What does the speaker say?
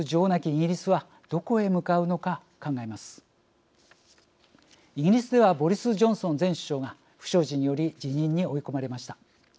イギリスではボリス・ジョンソン前首相が不祥事により辞任に追い込まれました。